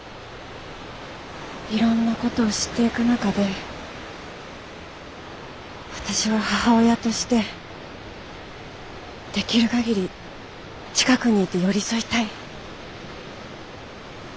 いろんなことを知っていく中で私は母親としてできる限り近くにいて寄り添いたい。